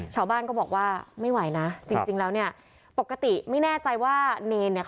ชาวบ้านก็บอกว่าไม่ไหวนะจริงจริงแล้วเนี่ยปกติไม่แน่ใจว่าเนรเนี่ย